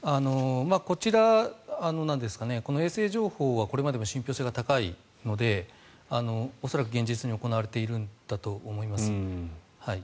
こちらなんですが衛星情報はこれまでも信ぴょう性が高いので恐らく現実に行われているんだと思います。